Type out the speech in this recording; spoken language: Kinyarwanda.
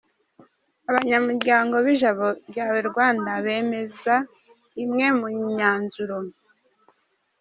Abanyamuryango b'Ijabo Ryawe Rwanda bemeza imwe mu myanzuro.